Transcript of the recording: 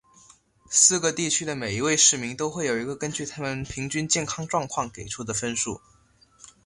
四个地区的每一位市民都会有一个根据他们平均健康状况给出的分数。